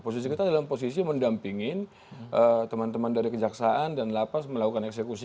posisi kita dalam posisi mendampingin teman teman dari kejaksaan dan lapas melakukan eksekusi